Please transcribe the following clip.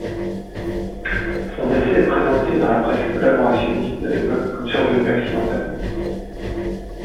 Son décès est présenté dans la presse collaborationniste de l'époque comme survenu accidentellement.